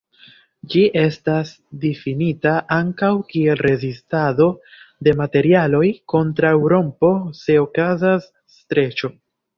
Ĝi estas difinita ankaŭ kiel rezistado de materialoj kontraŭ rompo se okazas streĉo.